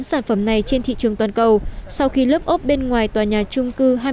bán sản phẩm này trên thị trường toàn cầu sau khi lớp ốp bên ngoài tòa nhà trung cư